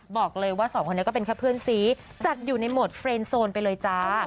บอกเลยว่าสองคนนี้ก็เป็นแค่เพื่อนซีจัดอยู่ในโหมดเฟรนโซนไปเลยจ้า